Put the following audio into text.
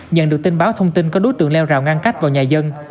nhận được tin báo thông tin có đối tượng leo rào ngăn cách vào nhà dân